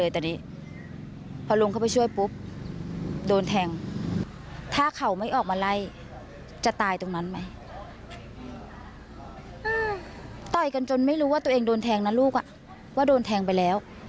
ต่อยกันจนไม่รู้ว่าตัวเองโดนแทงนะลูกว่าโดนแทงไปแล้ว